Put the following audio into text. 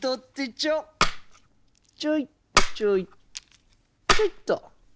ちょいちょいちょいっと。